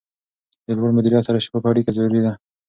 د لوړ مدیریت سره شفافه اړیکه ضروري ده.